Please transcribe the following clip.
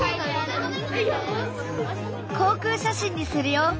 航空写真にするよ！